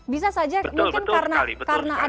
bisa saja mungkin karena adanya kegiatan lain